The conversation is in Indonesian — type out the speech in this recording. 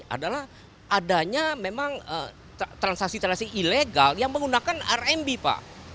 adalah adanya memang transaksi transaksi ilegal yang menggunakan rmb pak